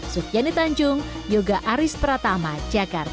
sufiani tanjung yoga aris pratama jakarta